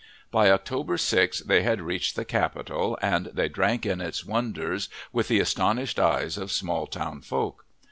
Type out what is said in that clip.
By October 6 they had reached the capital and they drank in its wonders with the astonished eyes of small town folk.